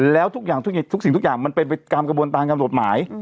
แล้วทุกอย่างทุกสิ่งทุกอย่างมันเป็นไปตามกระบวนการตามกฎหมาย